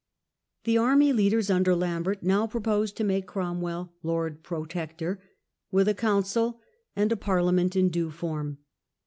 The army leaders under Lambert now proposed to make Cromwell " Lord Protector ", with a council and a Parlia The^instru ment in due form.